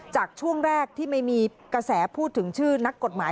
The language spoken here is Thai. ช่วงแรกที่ไม่มีกระแสพูดถึงชื่อนักกฎหมาย